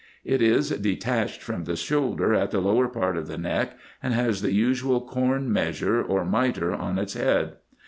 It is detached from the shoulder at the lower part of the neck, and has the usual corn measure, or mitre, on its head.